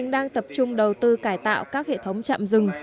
đang tập trung đầu tư cải tạo các hệ thống trạm rừng